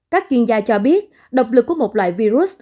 các chuyên gia cho biết độc lực của một loại virus